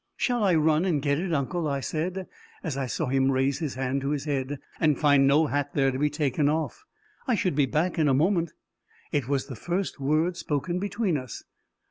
"Shall I run and get it, uncle?" I said, as I saw him raise his hand to his head and find no hat there to be taken off. "I should be back in a minute!" It was the first word spoken between us.